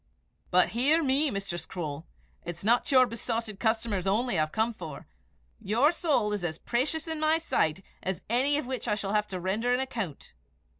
"But hear me, Mistress Croale: it's not your besotted customers only I have to care for. Your soul is as precious in my sight as any of which I shall have to render an account."